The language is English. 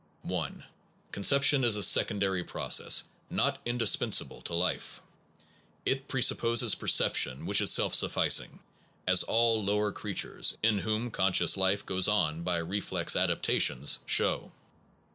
1. Conception is a secondary process, not indispensable to life. It presupposes percep tion, which is self sufficing, as all lower crea tures, in whom conscious life goes on by reflex adaptations, show.